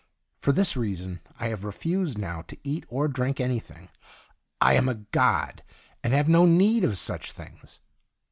For this reason I have refused now to eat or drink anything ; I am a god and have no need of such things.